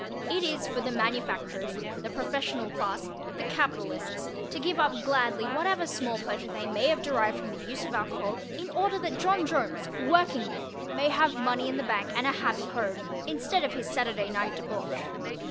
It is for the manufacturers, the professional class, the capitalists to give up gladly whatever small pleasure they may have derived from the use of alcohol, in order that John Jones, workingman, may have money in the bank and a happy home, instead of his Saturday night debauch.